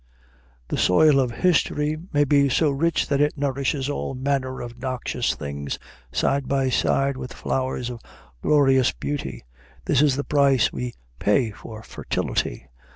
The soil of history may be so rich that it nourishes all manner of noxious things side by side with flowers of glorious beauty; this is the price we pay for fertility.